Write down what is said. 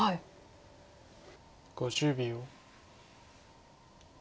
５０秒。